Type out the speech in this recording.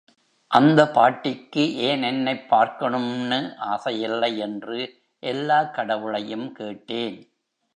அந்த பாட்டிக்கு ஏன் என்னைப் பார்க்கணும்னு ஆசையில்லை, என்று எல்லா கடவுளையும் கேட்டேன்.